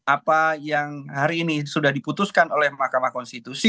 apa yang hari ini sudah diputuskan oleh mahkamah konstitusi